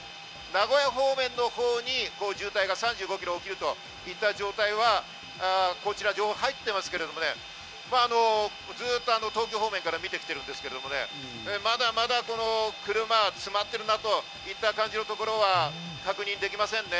名古屋方面のほうに渋滞が３５キロ起きるといった状態はこちらに情報が入ってますけどね、ずっと東京方面から見てきてるんですけどね、まだまだ車が詰まってるなといった感じの所は確認できませんね。